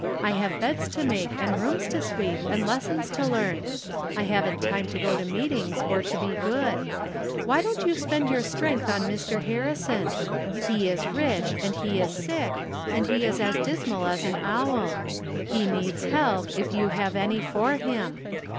I have beds to make, and rooms to sweep, and les sons to learn. I haven't time to go to meetings or be good. Why don't you spend your strength on Mr. Harrison. He is rich and he is sick, and he is as dismal as an owl. He needs help, if you have any for him.